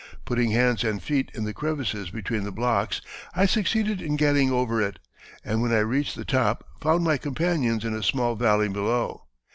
Putting hands and feet in the crevices between the blocks I succeeded in getting over it, and when I reached the top found my companions in a small valley below.